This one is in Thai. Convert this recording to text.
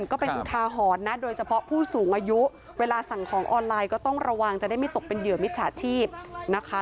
ก็เป็นอุทาหรณ์นะโดยเฉพาะผู้สูงอายุเวลาสั่งของออนไลน์ก็ต้องระวังจะได้ไม่ตกเป็นเหยื่อมิจฉาชีพนะคะ